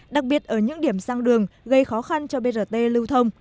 đặc biệt ở những điểm sang đường gây khó khăn cho brt lưu thông